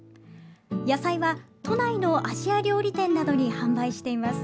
野菜は都内のアジア料理店などに販売しています。